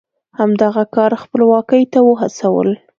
همدغه کار خپلواکۍ ته وهڅول.